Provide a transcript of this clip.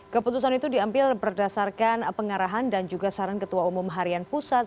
keputusan itu diambil berdasarkan pengarahan dan juga saran ketua umum harian pusat